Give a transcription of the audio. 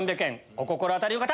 お心当たりの方！